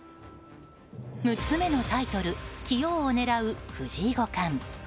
６つ目のタイトル、棋王を狙う藤井五冠。